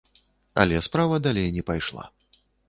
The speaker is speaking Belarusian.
Але справа далей не пайшла.